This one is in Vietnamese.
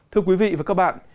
thưa quý vị và các bạn